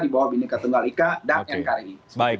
di bawah bhinneka tunggal ika dan nkri